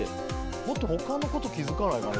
もっと他のこと気付かないかな。